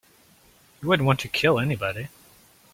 You wouldn't want to kill anybody.